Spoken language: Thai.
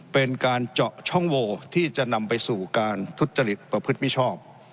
เป็นการเจาะช่องโวที่จะนำไปสู่การทุจริตประพฤติมิชอบ